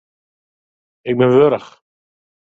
Ik bin warch.